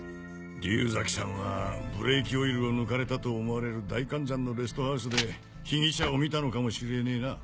竜崎さんはブレーキオイルを抜かれたと思われる大観山のレストハウスで被疑者を見たのかもしれねえな。